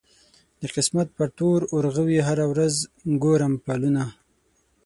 د قسمت پر تور اورغوي هره ورځ ګورم فالونه